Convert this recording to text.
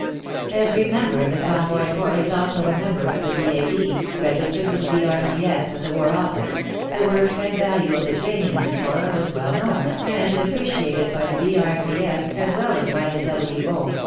Every member of the Convoy Corps is also a member of a V.A.D. registered with the B.R.C.S. at the War Office, the work and value of the training of the Corps was well known and appreciated by the B.R.C.S. as well as by the W.O.